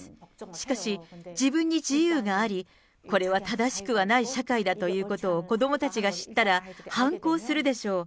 しかし、自分に自由があり、これは正しくはない社会だということを子どもたちが知ったら、反抗するでしょう。